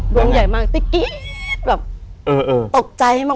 ดวงใหญ่มากติ๊กกิ๊กแบบตกใจมาก